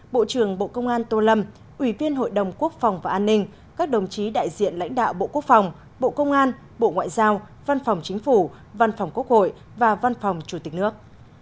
bộ trưởng bộ công an tô lâm ủy viên hội đồng quốc phòng và an ninh các đồng chí đại diện lãnh đạo bộ quốc phòng bộ công an bộ ngoại giao văn phòng chính phủ văn phòng quốc hội và văn phòng chủ tịch nước